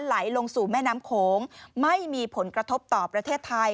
ไหลลงสู่แม่น้ำโขงไม่มีผลกระทบต่อประเทศไทย